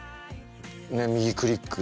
右クリック